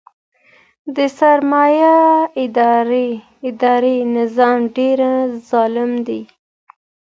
د سرمایه دارۍ نظام ډیر ظالم دی.